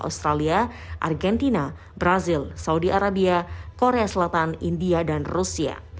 australia argentina brazil saudi arabia korea selatan india dan rusia